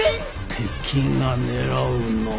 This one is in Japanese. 敵が狙うのは。